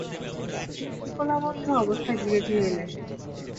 তিনি শিকলাবদ্ধ অবস্থায় ধীরে ধীরে এলেন।